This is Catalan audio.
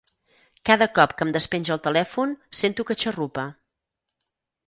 Cada cop que em despenja el telèfon sento que xarrupa.